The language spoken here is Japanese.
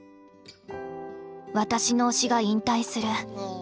私の推しが引退する。